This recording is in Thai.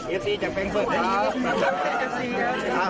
เอาให้ถ่ายรูปมาขอไลค์ด้วยครับ